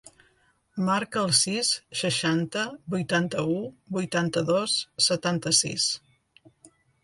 Marca el sis, seixanta, vuitanta-u, vuitanta-dos, setanta-sis.